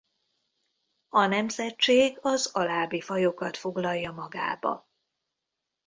A nemzetség az alábbi fajokat foglalja magába.